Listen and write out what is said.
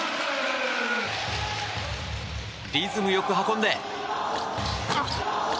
リズムよく運んで。